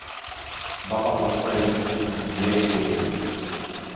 Ma pan do swojej dyspozycji dwie i pół minuty